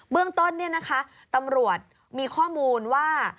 เรื่องต้นตำรวจมีข้อมูลว่า